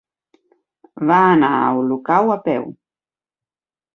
Va anar a Olocau a peu.